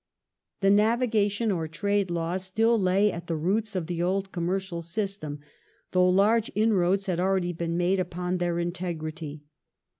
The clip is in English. The Navigation or Trade Laws still lay at the roots of the old commercial system, though large inroads had already been made upon their integrity.